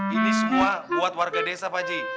ini semua buat warga desa pak ji